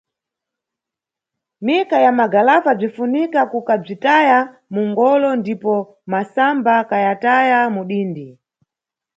Mika ya magalafa bzinʼfunika kukabzitaya munʼgolo ndipo masamba kayataya mudindi.